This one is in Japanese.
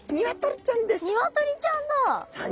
ニワトリちゃんです！